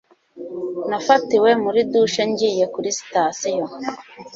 nafatiwe muri douche ngiye kuri sitasiyo